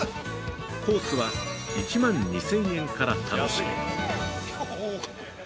コースは１万２０００円から楽しめる。